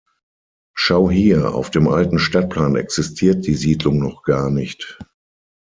Schau hier, auf dem alten Stadtplan existiert die Siedlung noch gar nicht.